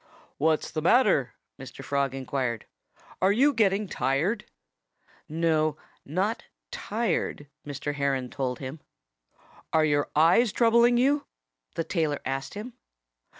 "What's the matter?" Mr. Frog inquired. "Are you getting tired?" "No not tired," Mr. Heron told him. "Are your eyes troubling you?" the tailor asked him.